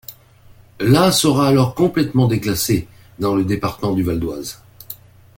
La sera alors complètement déclassée dans le département du Val-d'Oise.